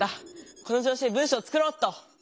この調子で文しょうを作ろっと。